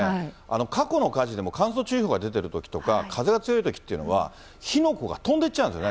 過去の火事でも、乾燥注意報が出てるときとか、風が強いときっていうのは、火の粉が飛んでいっちゃうんですよね。